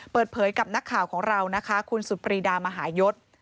เปิดเผยกับนักข่าวของเรานะคะคุณสุดปรีดามหายศ